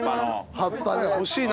葉っぱの。